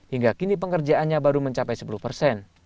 hingga kini pengerjaannya baru mencapai sepuluh persen